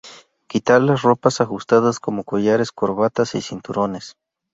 Quitar las ropas ajustadas como collares, corbatas y cinturones.